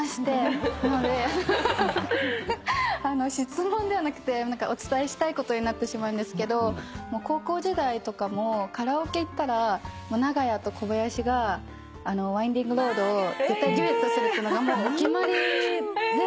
なのであの質問ではなくてお伝えしたいことになってしまうんですけど高校時代とかもカラオケ行ったら長屋と小林が『ＷＩＮＤＩＮＧＲＯＡＤ』を絶対デュエットするっていうのがもうお決まりで。